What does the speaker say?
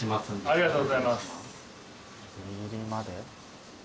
ありがとうございます。